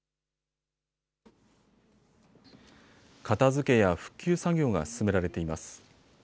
片づけや復旧作業が進められています。